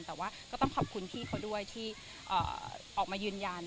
แต่ว่าก็ต้องขอบคุณพี่เขาด้วยที่ออกมายืนยัน